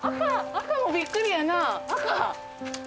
赤もびっくりやなぁ赤。